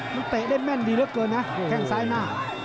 ต์นูต์เตะได้แม่นดีเยอะเกินนะแข้งซ้ายหน้า